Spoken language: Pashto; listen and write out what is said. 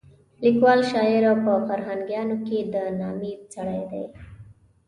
لیکوال، شاعر او په فرهنګیانو کې د نامې سړی دی.